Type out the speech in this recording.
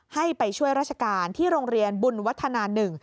ให้ไปช่วยราชการที่โรงเรียนบุญวัฒนา๑